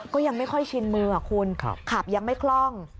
ก็ยังไม่ค่อยชินมือคุณขับยังไม่คล่อง